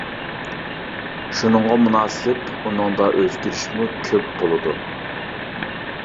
شۇنىڭغا مۇناسىپ ئۇنىڭدا ئۆزگىرىشمۇ كۆپ بولىدۇ.